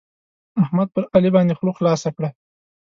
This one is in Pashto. احمد پر علي باندې خوله خلاصه کړه.